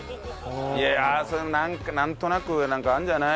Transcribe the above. いやなんとなくなんかあるんじゃない？